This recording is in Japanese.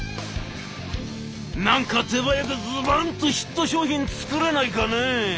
「何か手早くズバンとヒット商品作れないかねえ」。